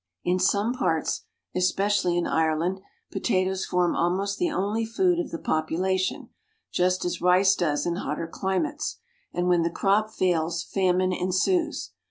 In some parts, especially in Ireland, potatoes form almost the only food of the population, just as rice does in hotter climates, and when the crop fails famine ensues.